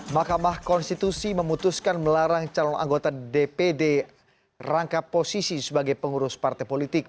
mahkamah konstitusi memutuskan melarang calon anggota dpd rangka posisi sebagai pengurus partai politik